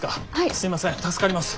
すいません助かります。